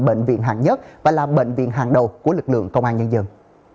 bệnh viện hạng nhất và là bệnh viện hàng đầu của lực lượng công an nhân dân